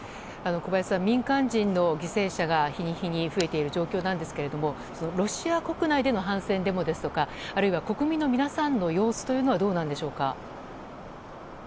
小林さん、民間人の犠牲者が日に日に増えている状況ですがロシア国内での反戦デモですとかあるいは国民の皆さんの様子というのはどうなんでしょうか。